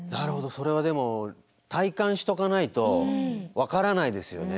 それはでも体感しとかないと分からないですよね。